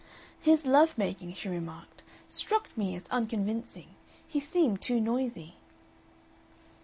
"His love making," she remarked, "struck me as unconvincing. He seemed too noisy."